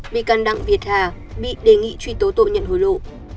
bị can đặng việt hà bị đề nghị truy tố tội nhận hối lộ